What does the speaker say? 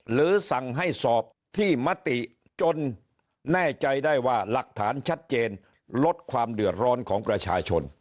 หรือสั่งให้สอบที่มติจนแน่ใจได้ว่าหลักฐานชัดเจนลดความเดือดร้อนของประชาชน